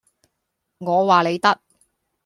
我話你得